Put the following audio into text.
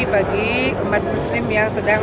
bagi umat muslim yang sedang